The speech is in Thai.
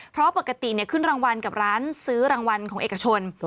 เพราะปกติขึ้นรางวัลกับร้านซื้อรางวัลของเอกชน